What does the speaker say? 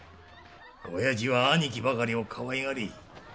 親父は兄貴ばかりを可愛がり